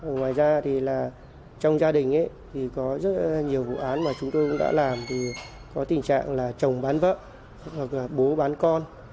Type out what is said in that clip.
ngoài ra thì là trong gia đình thì có rất nhiều vụ án mà chúng tôi cũng đã làm thì có tình trạng là chồng bán vợ hoặc là bố bán con